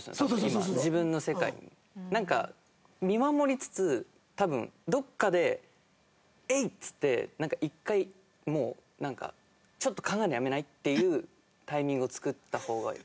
今自分の世界。なんか見守りつつ多分どこかで「えいっ」っつって１回もうなんかちょっと考えるのやめない？っていうタイミングを作った方が。